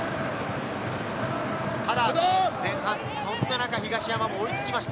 ただ前半、そんな中、東山も追いつきました。